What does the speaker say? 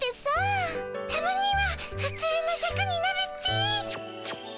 たまにはふつうのシャクになるっピ。